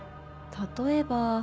例えば。